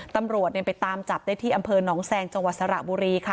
ตำรวจไปตามจับได้ที่อำเภอหนองแซงจังหวัดสระบุรีค่ะ